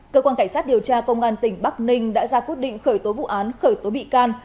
cơ quan cảnh sát điều tra công an tỉnh bắc ninh đã ra quyết định khởi tố vụ án khởi tố bị can